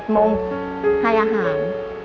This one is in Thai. มงให้อาหาร